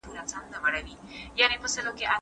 هغه څوک چي کتابتون ته راځي ارام اخلي؟